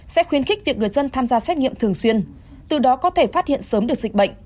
sẽ khuyến khích việc người dân tham gia xét nghiệm thường xuyên từ đó có thể phát hiện sớm được dịch bệnh